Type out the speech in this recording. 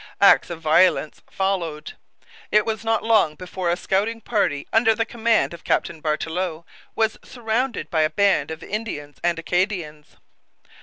Acts of violence followed. It was not long before a scouting party under the command of Captain Bartelot was surrounded by a band of Indians and Acadians.